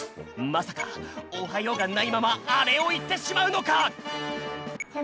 まさか「おはよう」がないままあれをいってしまうのか？